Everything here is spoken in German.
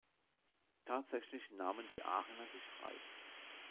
Tatsächlich nahmen die Aachener sich frei.